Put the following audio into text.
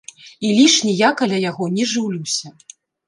І лішне я каля яго не жыўлюся.